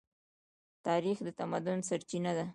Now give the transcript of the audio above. تاریخ د تمدن سرچینه ده.